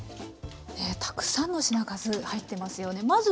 たくさんの品数入ってますよね。